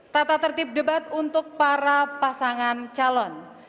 tata tertib debat untuk para pasangan calon